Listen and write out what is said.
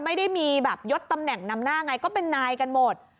ไม่ได้มีแบบยดตำแหน่งนำหน้าไงก็เป็นนายกันหมด